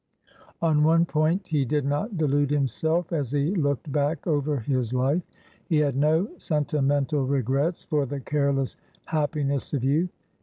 On one point he did not delude himself as he looked back over his life. He had no sentimental regrets for the careless happiness of youth.